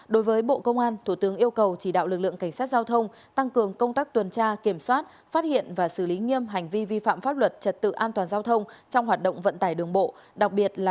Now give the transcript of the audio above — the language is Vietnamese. đối với bộ công an thủ tướng yêu cầu chỉ đạo lực lượng cảnh sát giao thông tăng cường công tác tuần tra kiểm soát phát hiện và xử lý nghiêm hành vi vi phạm pháp luật trật tự an toàn giao thông trong hoạt động vận tải đường bộ đặc biệt là